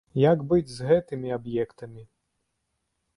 Як быць з гэтымі аб'ектамі?